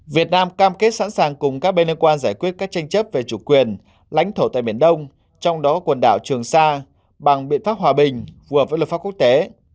việt nam cam kết sẵn sàng cùng các bên liên quan giải quyết các tranh chấp về chủ quyền lãnh thổ tại biển đông trong đó quần đảo trường sa bằng biện pháp hòa bình phù hợp với luật pháp quốc tế